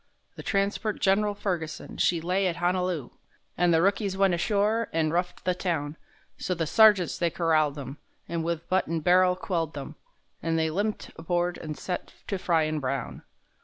The transport Gen'ral Ferguson, she lay at Honolu', An' the rookies went ashore an' roughed the town, So the sergeants they corralled them, and with butt and barrel quelled them,— An' they limped aboard an' set to fryin' brown.